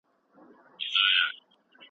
که ملاتړ نه وي ستونزې ډېرېږي.